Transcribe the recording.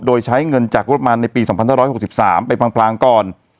โดยใช้เงินจากงบประมาณในปี๒๕๖๓ไปพลางก่อน